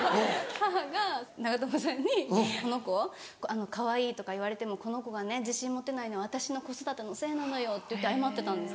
母が長友さんに「この子かわいいとか言われてもこの子が自信持てないのは私の子育てのせいなのよ」って言って謝ってたんです。